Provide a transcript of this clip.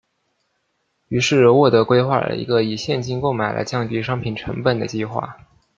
于是沃德规划了一个以现金购买来降低商品成本的计划。